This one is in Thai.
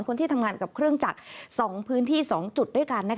คนที่ทำงานกับเครื่องจักร๒พื้นที่๒จุดด้วยกัน